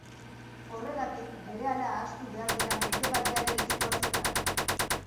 Horregatik, berehala ahaztu behar dira medebaldearen eskuhartze planak.